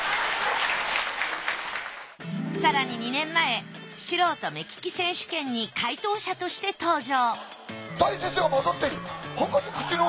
更に２年前シロウト目利き選手権に解答者として登場